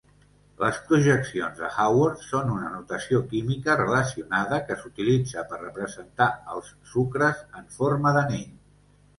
Les projeccions de Haworth són una notació química relacionada que s'utilitza per representar els sucres en forma d'anell.